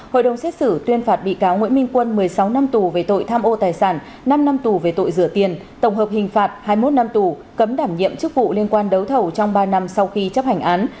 hội đồng xét xử tuyên phạt bị cáo nguyễn minh quân một mươi sáu năm tù về tội tham ô tài sản năm năm tù về tội rửa tiền tổng hợp hình phạt hai mươi một năm tù cấm đảm nhiệm chức vụ liên quan đấu thầu trong ba năm sau khi chấp hành án